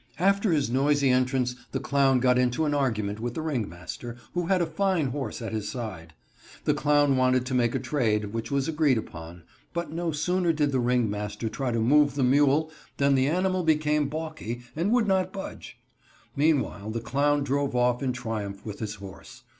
After his noisy entrance the clown got into an argument with the ringmaster, who had a fine horse at his side. The clown wanted to make a trade, which was agreed upon, but no sooner did the ringmaster try to move the mule than the animal became balky, and would not budge. Meanwhile the clown drove off in triumph with his horse.